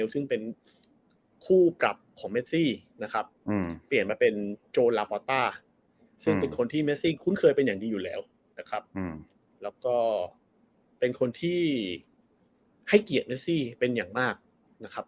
ซึ่งเป็นคู่กับของเมซี่นะครับเปลี่ยนมาเป็นโจรลาฟอต้าซึ่งเป็นคนที่เมซิ่งคุ้นเคยเป็นอย่างดีอยู่แล้วนะครับแล้วก็เป็นคนที่ให้เกียรติเมซี่เป็นอย่างมากนะครับ